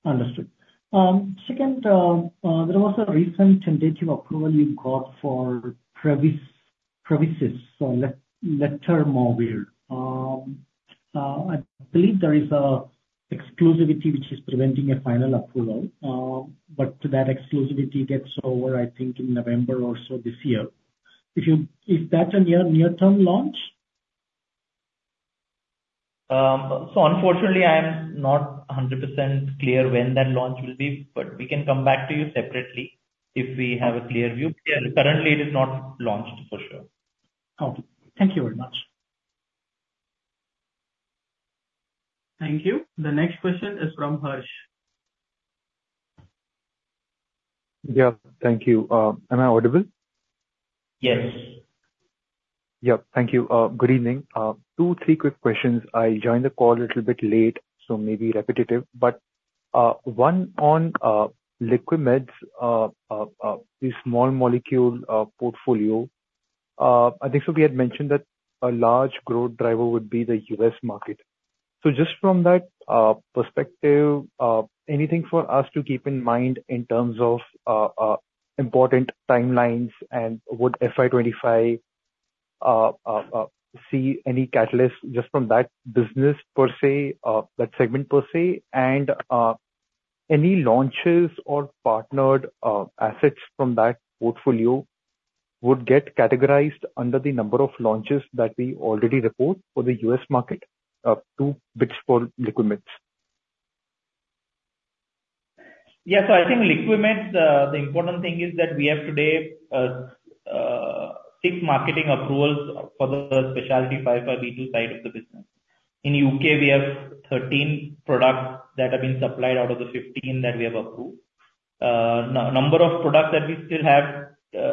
Understood. Second, there was a recent tentative approval you got for Prevymis, Letermovir. I believe there is an exclusivity which is preventing a final approval, but that exclusivity gets over, I think, in November or so this year. Is that a near-term launch? So unfortunately, I am not 100% clear when that launch will be, but we can come back to you separately if we have a clear view. Yeah. Currently, it is not launched for sure. Okay, thank you very much. Thank you. The next question is from Harsh. Yeah, thank you. Am I audible? Yes. Yeah. Thank you. Good evening. Two, three quick questions. I joined the call a little bit late, so maybe repetitive. But one on LiqMeds', the small molecule portfolio. I think Sujit had mentioned that a large growth driver would be the U.S. market. So just from that perspective, anything for us to keep in mind in terms of important timelines and would FY 2025 see any catalyst just from that business per se, that segment per se? And any launches or partnered assets from that portfolio would get categorized under the number of launches that we already report for the U.S. market, two bits for LiqMeds'. Yeah, so I think LiqMeds, the important thing is that we have today, six marketing approvals for the specialty fiber vehicle side of the business. In the U.K., we have 13 products that have been supplied out of the 15 that we have approved. Number of products that we still have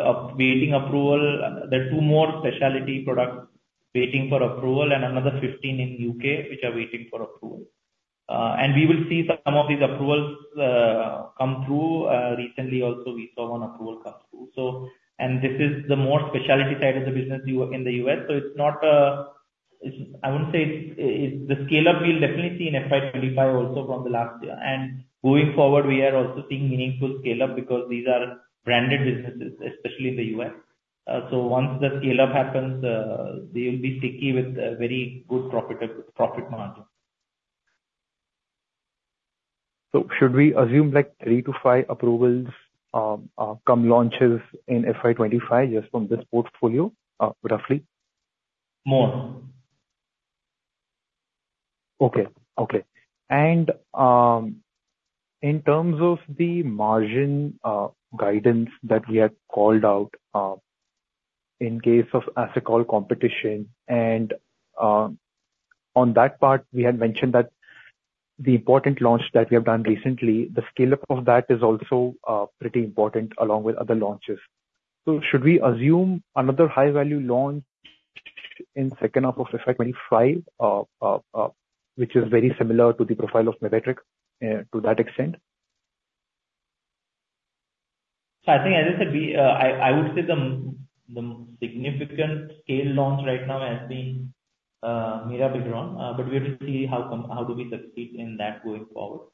up, waiting approval, there are two more specialty products waiting for approval and another 15 in the U.K., which are waiting for approval. And we will see some of these approvals come through. Recently also we saw one approval come through. So, and this is the more specialty side of the business you, in the U.S. So it's not, it's, I wouldn't say it's, it's the scale-up we'll definitely see in FY 2025 also from the last year. Going forward, we are also seeing meaningful scale-up because these are branded businesses, especially in the US. So once the scale-up happens, they will be sticky with very good profit margins. So should we assume, like, three approvals, come launches in FY 2025 just from this portfolio, roughly? More. Okay, okay. In terms of the margin guidance that we have called out, in case of, as you call, competition and on that part, we had mentioned that the important launch that we have done recently. The scale-up of that is also pretty important along with other launches. So should we assume another high-value launch in second half of FY 2025, which is very similar to the profile of Myrbetriq, to that extent? So I think, as I said, we, I would say the significant scale launch right now has been Mirabegron, but we have to see how do we succeed in that going forward.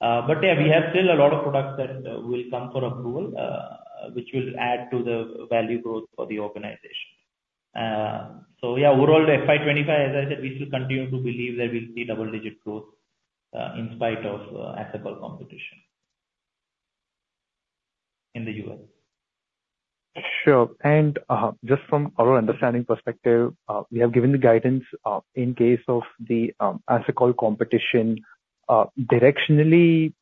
But yeah, we have still a lot of products that will come for approval, which will add to the value growth for the organization. So yeah, overall, the FY 2025, as I said, we still continue to believe that we'll see double-digit growth, in spite of Asacol competition in the U.S. Sure. And, just from our understanding perspective, we have given the guidance, in case of the, Asacol competition, directionally,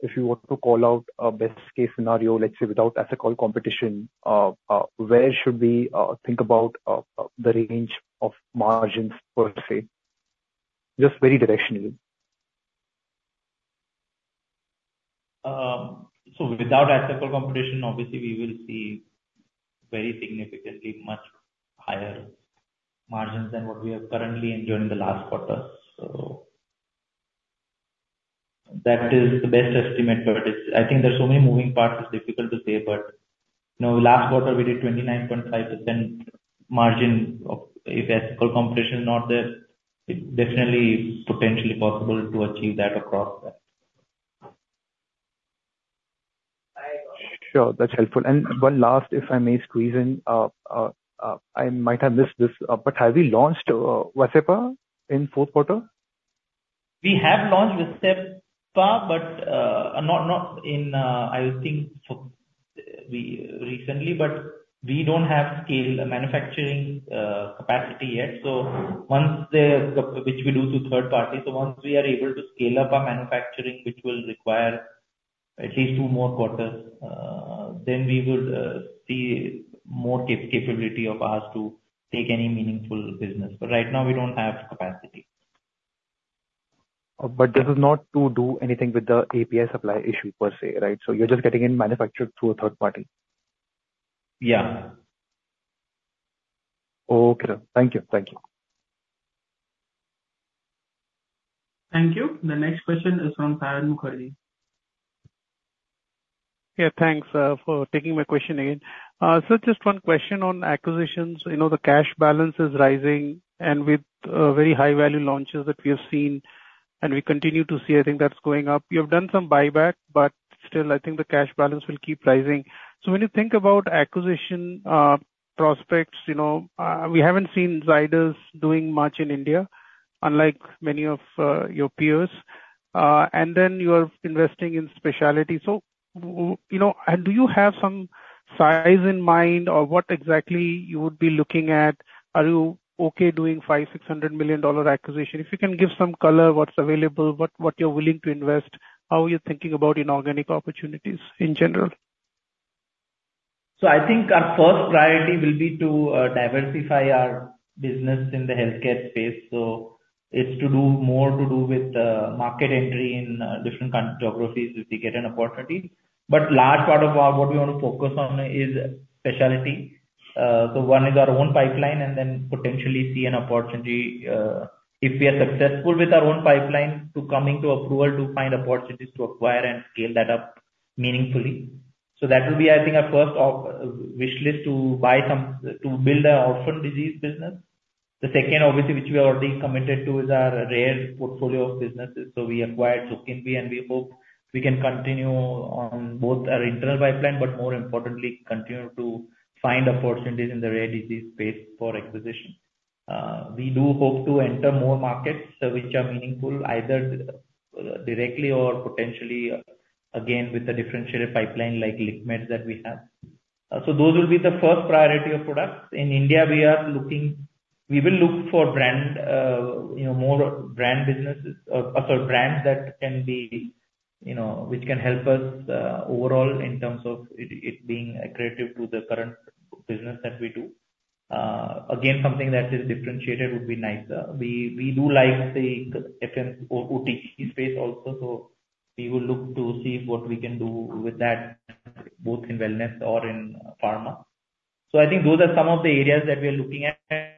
if you were to call out a best case scenario, let's say, without Asacol competition, where should we, think about, the range of margins per se? Just very directionally. So without US Asacol competition, obviously, we will see very significantly much higher margins than what we have currently and during the last quarter. So that is the best estimate, but it's. I think there's so many moving parts, it's difficult to say, but, you know, last quarter, we did 29.5% margin. If US Asacol competition is not there, it definitely potentially possible to achieve that across that. Sure, that's helpful. And one last, if I may squeeze in, I might have missed this, but have we launched Vascepa in fourth quarter? We have launched Vascepa, but we don't have scale manufacturing capacity yet. So once we are able to scale up our manufacturing, which we do through third party, which will require at least two more quarters, then we would see more capability of ours to take any meaningful business. But right now we don't have capacity. This is not to do anything with the API supply issue per se, right? You're just getting it manufactured through a third party. Yeah. Okay, thank you. Thank you. Thank you. The next question is from Sayan Mukherjee. Yeah, thanks, for taking my question again. So just one question on acquisitions. You know, the cash balance is rising, and with, very high-value launches that we have seen and we continue to see, I think that's going up. You have done some buyback, but still, I think the cash balance will keep rising. So when you think about acquisition, prospects, you know, we haven't seen Zydus doing much in India, unlike many of, your peers. And then you are investing in specialty. So you know, do you have some size in mind or what exactly you would be looking at? Are you okay doing $500 million-$600 million acquisition? If you can give some color, what's available, what, what you're willing to invest, how you're thinking about inorganic opportunities in general. So I think our first priority will be to diversify our business in the healthcare space. So it's to do more to do with market entry in different geographies if we get an opportunity. But large part of our, what we want to focus on is specialty. So one is our own pipeline and then potentially see an opportunity if we are successful with our own pipeline to coming to approval, to find opportunities to acquire and scale that up meaningfully. So that will be, I think, our first of wish list, to buy some. To build our orphan disease business. The second, obviously, which we are already committed to, is our rare portfolio of businesses. So we acquired Zokinvy, and we hope we can continue on both our internal pipeline, but more importantly, continue to find opportunities in the rare disease space for acquisition. We do hope to enter more markets which are meaningful, either directly or potentially, again, with a differentiated pipeline like LiqMeds that we have. So those will be the first priority of products. In India, we are looking. We will look for brand, you know, more brand businesses, or sorry, brands that can be, you know, which can help us, overall in terms of it, it being accretive to the current business that we do. Again, something that is differentiated would be nicer. We do like the FMCG or OTC space also, so we will look to see what we can do with that, both in wellness or in pharma. So I think those are some of the areas that we are looking at.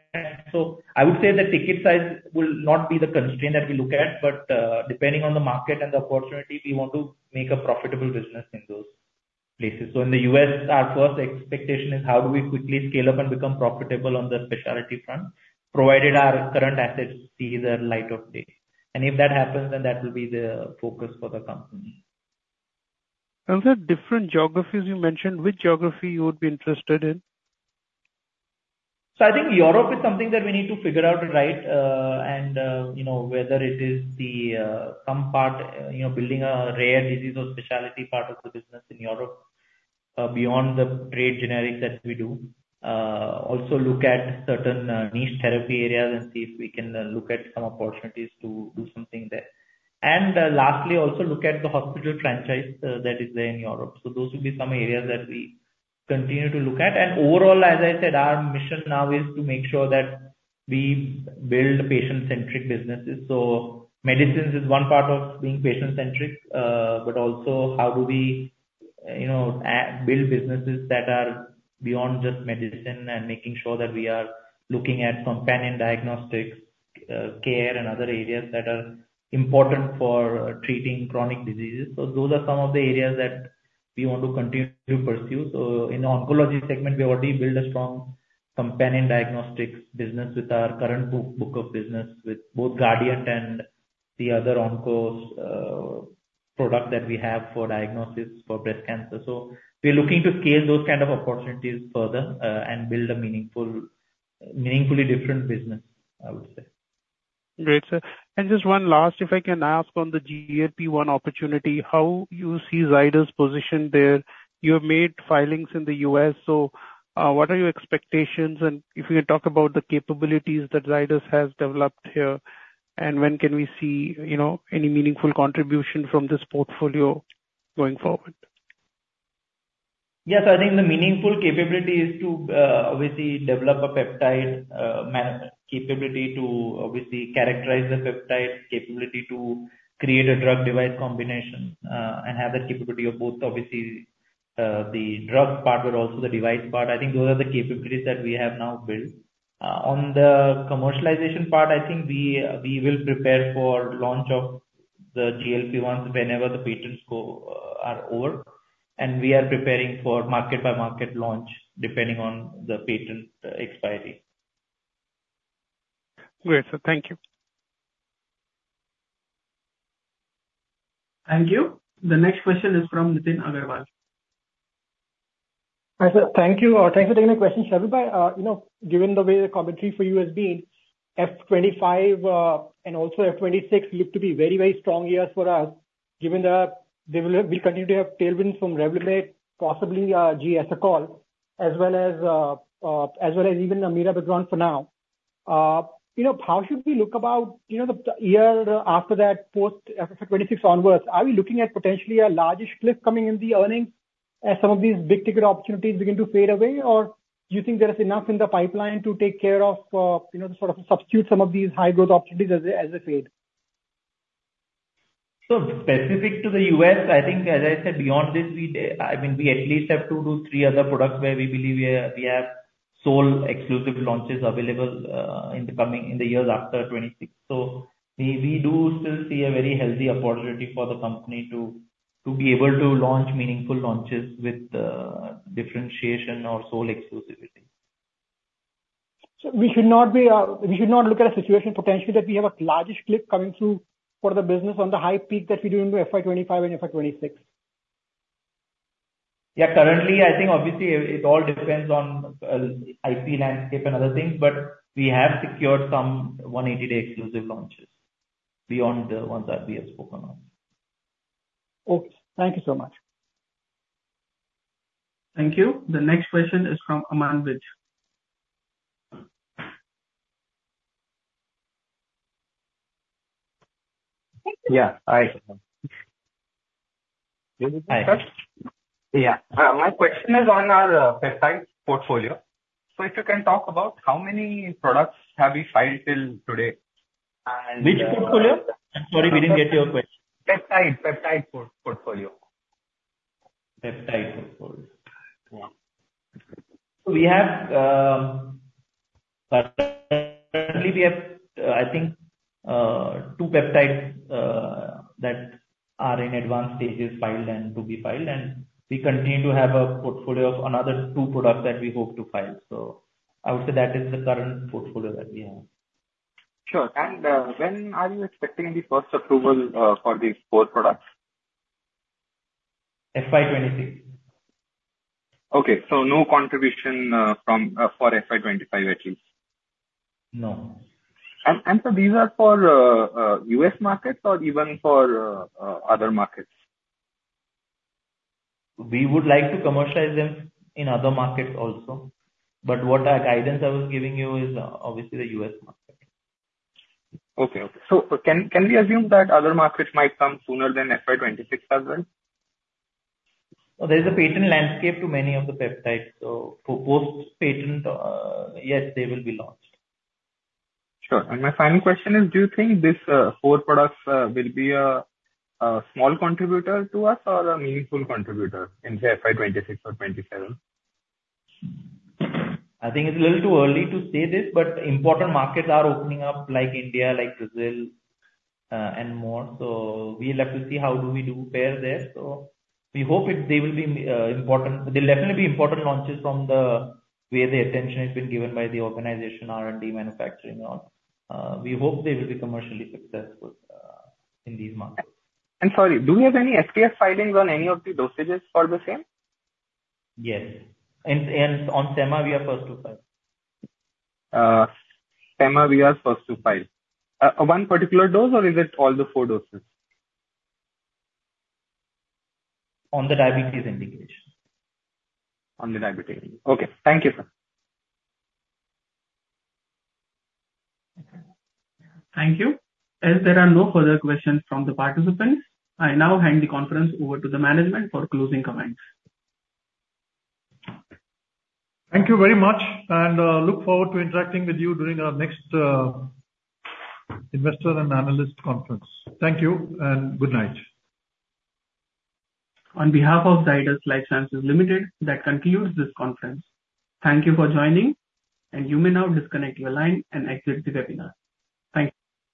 So I would say the ticket size will not be the constraint that we look at, but, depending on the market and the opportunity, we want to make a profitable business in those places. So in the U.S., our first expectation is how do we quickly scale up and become profitable on the specialty front, provided our current assets see the light of day. And if that happens, then that will be the focus for the company. The different geographies you mentioned, which geography you would be interested in? So I think Europe is something that we need to figure out, right? And, you know, whether it is the, some part, you know, building a rare disease or specialty part of the business in Europe, beyond the great generics that we do. Also look at certain, niche therapy areas and see if we can, look at some opportunities to do something there. And, lastly, also look at the hospital franchise, that is there in Europe. So those will be some areas that we continue to look at. And overall, as I said, our mission now is to make sure that we build patient-centric businesses. So medicines is one part of being patient-centric, but also how do we, you know, build businesses that are beyond just medicine and making sure that we are looking at companion diagnostics, care and other areas that are important for treating chronic diseases. So those are some of the areas that we want to continue to pursue. So in oncology segment, we already built a strong companion diagnostics business with our current book, book of business with both Uncertain and the other Uncertain, product that we have for diagnosis for breast cancer. So we're looking to scale those kind of opportunities further, and build a meaningfully different business, I would say. Great, sir. And just one last, if I can ask on the GLP-1 opportunity, how you see Zydus' position there? You have made filings in the U.S., so, what are your expectations? And if you talk about the capabilities that Zydus has developed here, and when can we see, you know, any meaningful contribution from this portfolio going forward? Yes, I think the meaningful capability is to, obviously, develop a peptide, capability to obviously characterize the peptide, capability to create a drug device combination, and have the capability of both obviously, the drug part, but also the device part. I think those are the capabilities that we have now built. On the commercialization part, I think we, we will prepare for launch of the GLP-1 whenever the patents go, are over, and we are preparing for market-by-market launch, depending on the patent, expiry. Great, sir. Thank you. Thank you. The next question is from Nitin Agarwal. Hi, sir. Thank you. Thank you for taking the question, Sharvil. You know, given the way the commentary for you has been, FY 2025, and also FY 2026 look to be very, very strong years for us, given that we will, we continue to have tailwinds from Revlimid, possibly, Uncertain, as well as, as well as even Mirabegron for now. You know, how should we look about, you know, the year after that, post FY 2026 onwards? Are we looking at potentially a largish cliff coming in the earnings as some of these big-ticket opportunities begin to fade away? Or do you think there is enough in the pipeline to take care of, you know, sort of substitute some of these high-growth opportunities as they, as they fade? Specific to the US, I think as I said, beyond this, we, I mean, we at least have 2-3 other products where we believe we have sole exclusive launches available, in the coming years after 2026. So we do still see a very healthy opportunity for the company to be able to launch meaningful launches with differentiation or sole exclusivity. So we should not look at a situation potentially that we have a largish cliff coming through for the business on the high peak that we do into FY 2025 and FY 2026. Yeah. Currently, I think obviously it all depends on IP landscape and other things, but we have secured some 180-day exclusive launches beyond the ones that we have spoken on. Okay, thank you so much. Thank you. The next question is from Aman Vij. Yeah. Hi. Hi. Yeah. My question is on our peptide portfolio. So if you can talk about how many products have you filed till today, and. Which portfolio? I'm sorry, we didn't get your question. Peptide portfolio. Peptide portfolio. Yeah. So we have currently, I think, two peptides that are in advanced stages, filed and to be filed, and we continue to have a portfolio of another two products that we hope to file. So I would say that is the current portfolio that we have. Sure. And when are you expecting the first approval for these four products? FY 2026. Okay. So no contribution, from, for FY 2025, at least? No. So these are for U.S. markets or even for other markets? We would like to commercialize them in other markets also, but what our guidance I was giving you is, obviously the U.S. market. Okay. So, can we assume that other markets might come sooner than FY 2026 as well? There's a patent landscape to many of the peptides. So for post patent, yes, they will be launched. Sure. My final question is: Do you think these four products will be a small contributor to us or a meaningful contributor in FY 2026 or 2027? I think it's a little too early to say this, but important markets are opening up like India, like Brazil, and more. So we'll have to see how do we do fare there. So we hope they will be important. They'll definitely be important launches from the way the attention has been given by the organization, R&D, manufacturing and all. We hope they will be commercially successful in these markets. And sorry, do you have any FTF filings on any of the dosages for the same? Yes, and on sema, we are first to file. Sema, we are first to file. One particular dose, or is it all the four doses? On the diabetes indication. On the diabetes. Okay. Thank you, sir. Thank you. As there are no further questions from the participants, I now hand the conference over to the management for closing comments. Thank you very much, and look forward to interacting with you during our next investor and analyst conference. Thank you, and good night. On behalf of Zydus Lifesciences Limited, that concludes this conference. Thank you for joining, and you may now disconnect your line and exit the webinar. Thank you.